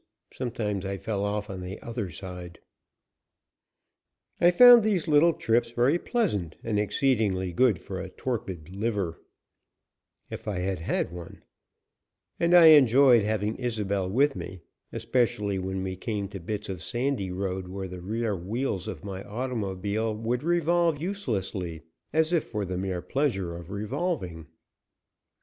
Sometimes I fell off on the other side. I found these little trips very pleasant and exceedingly good for a torpid liver if I had had one and I enjoyed having Isobel with me, especially when we came to bits of sandy road where the rear wheels of my automobile would revolve uselessly, as if for the mere pleasure of revolving.